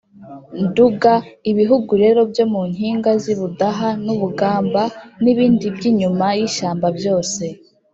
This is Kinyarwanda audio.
nduga. ibihugu rero byo mu nkiga z’ibudaha n’ubugamba, n’ibindi by’inyuma y’ishyamba byose,